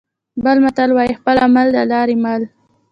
بل متل وايي: خپل عمل د لارې مل.